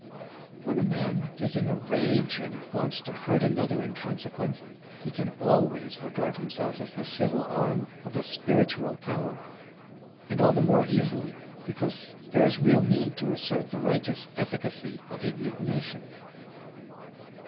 When a man is in a rage and wants to hurt another in consequence, he can always regard himself as the civil arm of a spiritual power, and all the more easily because there is real need to assert the righteous efficacy of indignation.